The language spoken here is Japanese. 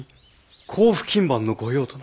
甲府勤番の御用とな？